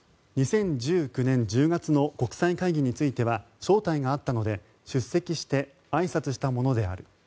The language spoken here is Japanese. ２０１９年１０月の国際会議については招待があったので出席してあいさつしたものである。